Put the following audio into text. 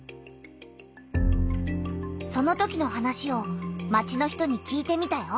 そのときの話を町の人に聞いてみたよ。